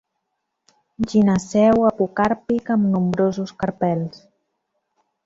Gineceu apocàrpic amb nombrosos carpels.